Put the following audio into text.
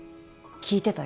聞いてたよ。